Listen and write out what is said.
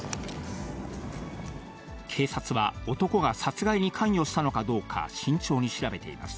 警察は、男が殺害に関与したのかどうか、慎重に調べています。